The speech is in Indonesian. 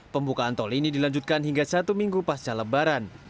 pembukaan tol ini dilanjutkan hingga satu minggu pasca lebaran